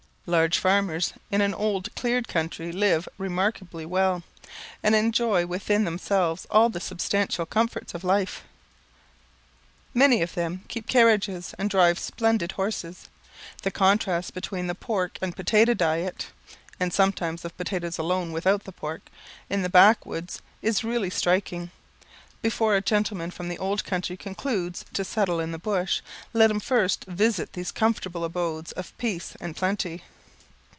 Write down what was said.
Large farmers in an old cleared country live remarkably well, and enjoy within themselves all the substantial comforts of life. Many of them keep carriages, and drive splendid horses. The contrast between the pork and potato diet, (and sometimes of potatoes alone without the pork), in the backwoods, is really striking. Before a gentleman from the old country concludes to settle in the bush, let him first visit these comfortable abodes of peace and plenty.